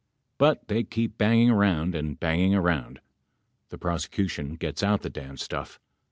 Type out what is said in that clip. But they keep banging around and banging around. The prosecution gets out the damn stuff.